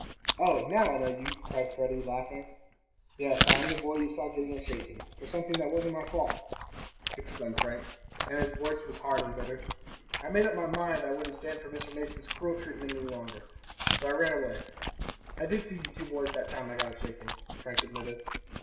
"Oh, now I know you!" cried Freddie, laughing. "Yes, I am the boy you saw getting a shaking, for something that wasn't my fault!" exclaimed Frank, and his voice was hard and bitter. "I made up my mind I wouldn't stand Mr. Mason's cruel treatment any longer, so I ran away. I did see you two boys that time I got a shaking," Frank admitted.